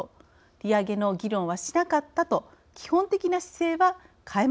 利上げの議論はしなかったと基本的な姿勢は変えませんでした。